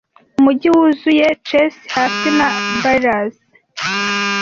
Umujyi wuzuye Chase, Hasi, na Baileys,